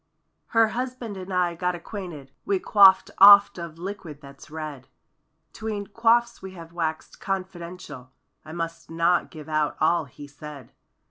67 Her husband and I got acquainted; We quaffed oft of liquid that's red; 'Tween quaffs we have waxed confidential— I must not give out all he said.